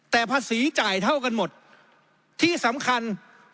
แต่ภาษีจ่ายเท่ากันหมดที่สำคัญ